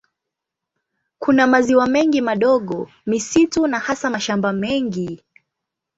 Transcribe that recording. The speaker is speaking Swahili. Kuna maziwa mengi madogo, misitu na hasa mashamba mengi.